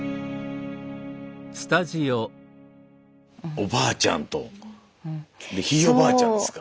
おばあちゃんとでひいおばあちゃんですか。